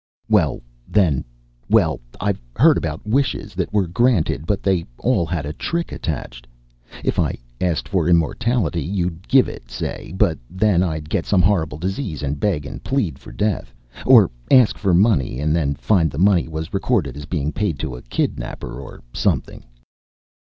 "Well, then well, I've heard about wishes that were granted, but they all had a trick attached. If I asked for immortality, you'd give it, say; but then I'd get some horrible disease and beg and plead for death. Or ask for money, and then find the money was recorded as being paid to a kidnapper, or something."